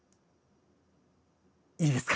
いいですか？